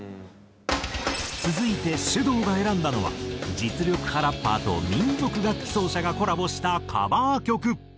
続いてｓｙｕｄｏｕが選んだのは実力派ラッパーと民族楽器奏者がコラボしたカバー曲。